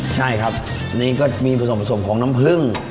ใช่ครับนี่ก็มีผสมผสมของน้ำผึ้ง